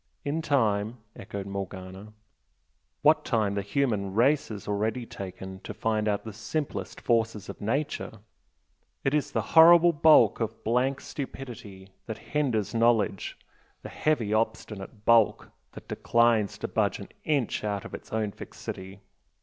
"In time!" echoed Morgana "What time the human race has already taken to find out the simplest forces of nature! It is the horrible bulk of blank stupidity that hinders knowledge the heavy obstinate bulk that declines to budge an inch out of its own fixity.